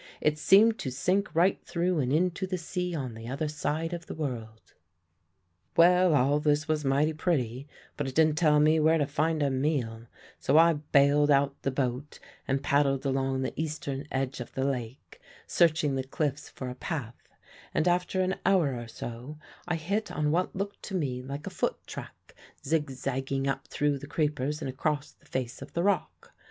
It seemed to sink right through and into the sea on the other side of the world! "Well, all this was mighty pretty, but it didn't tell me where to find a meal; so I baled out the boat and paddled along the eastern edge of the lake searching the cliffs for a path, and after an hour or so I hit on what looked to me like a foot track, zig zagging up through the creepers and across the face of the rock.